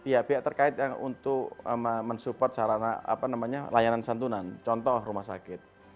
pihak pihak terkait untuk mensupport sarana layanan santunan contoh rumah sakit